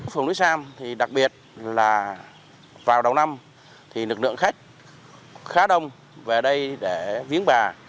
phường núi sam thì đặc biệt là vào đầu năm thì lực lượng khách khá đông về đây để viếng bà